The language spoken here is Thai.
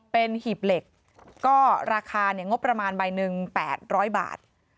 เป็นหีบเหล็กก็ราคางบประมาณใบหนึ่ง๘๐๐บาท